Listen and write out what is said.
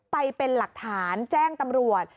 ไปเป็นหลักฐานแจ้งตำรวจ